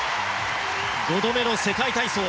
５度目の世界体操。